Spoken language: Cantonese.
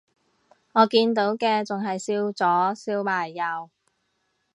我見到嘅仲係笑咗笑埋右